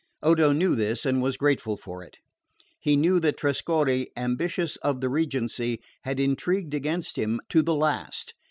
Odo knew this and was grateful for it. He knew that Trescorre, ambitious of the regency, had intrigued against him to the last.